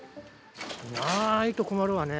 ないと困るわね。